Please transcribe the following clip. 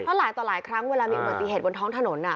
เพราะหลายต่อหลายครั้งเวลามีอุบัติเหตุบนท้องถนน